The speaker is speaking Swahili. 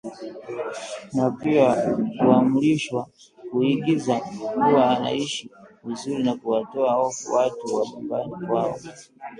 Na pia huamrishwa kuigiza kuwa anaishi vizuri na kuwatoa hofu watu wa nyumbani kwao